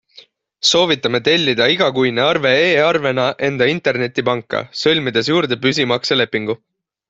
Soovitame tellida igakuine arve e-arvena enda internetipanka sõlmides juurde püsimakselepingu.